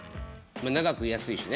長く居やすいしね。